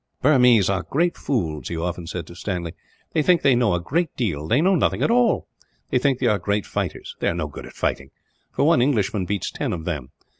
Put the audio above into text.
"Burmese are great fools," he often said to Stanley. "They think they know a great deal; they know nothing at all. They think they are great fighters; they are no good at fighting, for one Englishman beats ten of them.